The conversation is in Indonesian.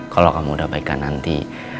kalau kamu udah baikkan nanti